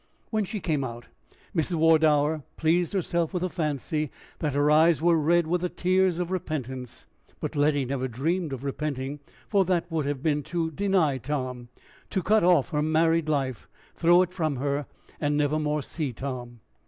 When she came out, Mrs. Wardour pleased herself with the fancy that her eyes were red with the tears of repentance; but Letty never dreamed of repenting, for that would have been to deny Tom, to cut off her married life, throw it from her, and never more see Tom.